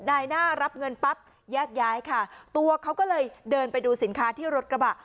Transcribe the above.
นายหน้ารับเงินปั๊บแยกย้ายค่ะตัวเขาก็เลยเดินไปดูสินค้าที่รถกระบะ